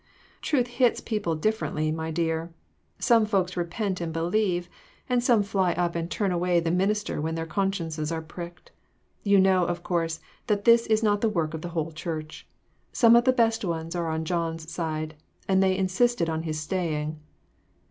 "Truth hits people differently, my dear. Some folks repent and believe, and some fly up and turn away the minister when their consciences are pricked. You know, of course, that this is not the work of the whole church. Some of the best ones are on John's side, and they insisted on his staying."